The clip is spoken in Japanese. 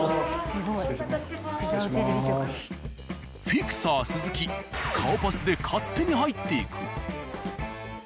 フィクサー鈴木顔パスで勝手に入っていく。